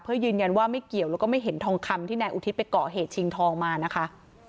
เพื่อยืนยันว่าไม่เกี่ยวแล้วก็ไม่เห็นทองคำที่นายอุทิศไปก่อเหตุชิงทองมานะคะ